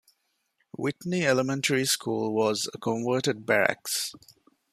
Whitney Elementary School was a converted Barracks.